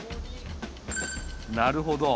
なるほど。